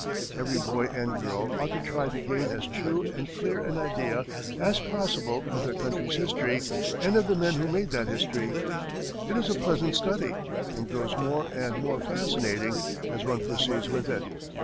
Every boy and girl ought to try to gain as true and clear an idea as possible of their country's history, and of the men who made that history. It is a pleasant study, and grows more and more fascinating as one proceeds with it.